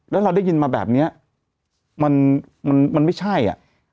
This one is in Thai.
แล้วเราได้ยินมาแบบนี้มันมันไม่ใช่อ่ะ